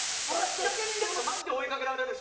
仕掛人だけどマジで追いかけられるし。